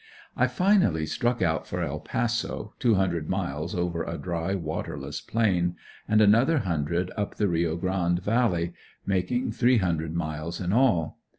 I finally struck out for El Paso, two hundred miles over a dry, waterless plain, and another hundred up the Rio Grande valley, making three hundred miles in all.